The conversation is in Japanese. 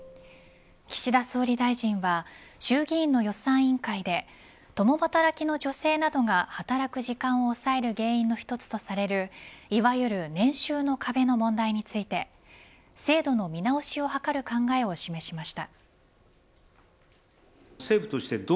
岸田総理大臣は衆議院の予算委員会で共働きの女性などが働く時間を抑える原因の一つとされるいわゆる年収の壁の問題について制度の見直しを図る考えを示しました。